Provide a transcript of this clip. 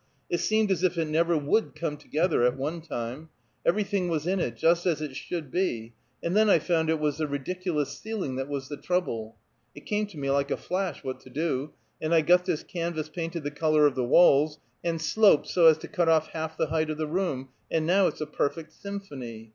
"It seemed as if it never would come together, at one time. Everything was in it, just as it should be; and then I found it was the ridiculous ceiling that was the trouble. It came to me like a flash, what to do, and I got this canvas painted the color of the walls, and sloped so as to cut off half the height of the room; and now it's a perfect symphony.